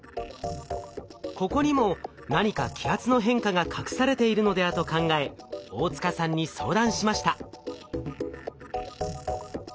ここにも何か気圧の変化が隠されているのではと考え大塚さんに相談しました。